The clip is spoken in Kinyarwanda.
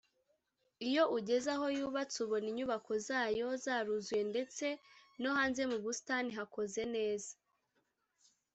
Iyo ugeze aho yubatse ubona inyubako zayo zaruzuye ndetse no hanze mu busitani hakoze neza